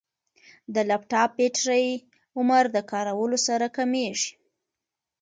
د لپټاپ بیټرۍ عمر د کارولو سره کمېږي.